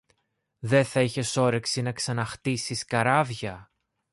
Δε θα είχες όρεξη να ξαναχτίσεις καράβια;